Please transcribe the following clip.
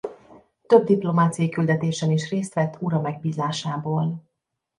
Több diplomáciai küldetésen is részt vett ura megbízásából.